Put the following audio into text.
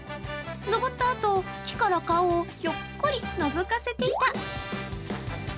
登ったあと、木から顔をひょっこりのぞかせていた。